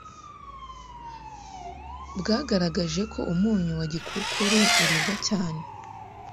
bwagaragaje ko umunyu wa gikukuru uribwa cyane